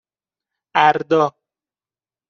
اَردا